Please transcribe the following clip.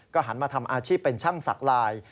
หันมาทำอาชีพเป็นช่างสักลาย